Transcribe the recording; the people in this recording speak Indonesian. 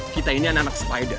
kita ini anak anak spider